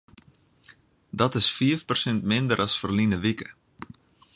Dat is fiif persint minder as ferline wike.